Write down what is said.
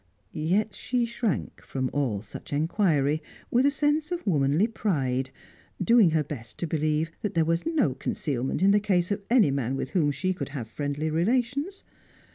Yet she shrank from all such enquiry, with a sense of womanly pride, doing her best to believe that there was no concealment in the case of any man with whom she could have friendly relations.